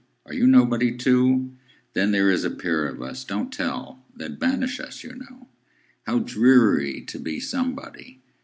Are you nobody, too? Then there 's a pair of us—don't tell! They 'd banish us, you know. How dreary to be somebody!